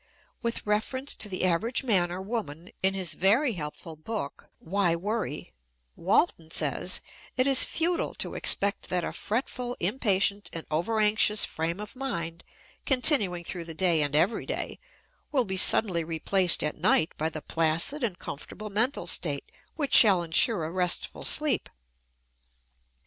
With reference to the average man or woman, in his very helpful book "Why Worry," Walton says, "it is futile to expect that a fretful, impatient, and overanxious frame of mind, continuing through the day and every day, will be suddenly replaced at night by the placid and comfortable mental state which shall insure a restful sleep."